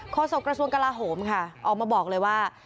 โศกระทรวงกลาโหมค่ะออกมาบอกเลยว่า